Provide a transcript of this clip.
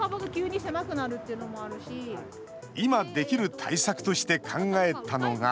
今できる対策として考えたのが。